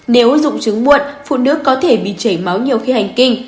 nếu dụng trứng muộn phụ nước có thể bị chảy máu nhiều khi hành kinh